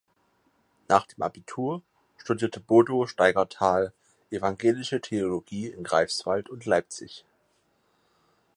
Nach dem Abitur studierte Bodo Steigerthal evangelische Theologie in Greifswald und Leipzig.